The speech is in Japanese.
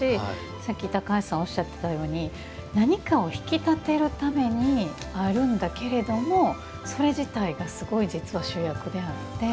さっき高橋さんがおっしゃっていたように何かを引き立てるためにあるんだけれどもそれ自体が、すごい実は主役であって。